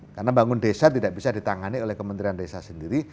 karena bangun desa tidak bisa ditangani oleh kementerian desa sendiri